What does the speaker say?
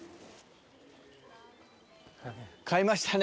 買いましたね。